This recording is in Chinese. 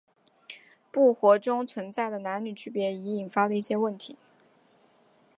部活中存在的男女区别已引发了一些问题。